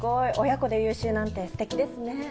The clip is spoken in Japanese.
親子で優秀なんて素敵ですね。